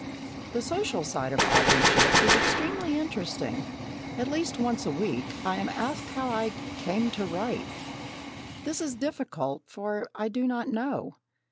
The social side of authorship is extremely interesting. At least once a week, I am asked how I "came to write." This is difficult, for I do not know.